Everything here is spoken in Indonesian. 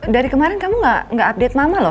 dari kemarin kamu nggak update mama loh